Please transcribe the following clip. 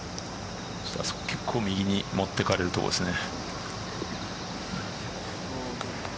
結構右に持ってかれるところですね。